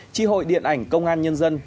chi hội điện ảnh công an nhân dân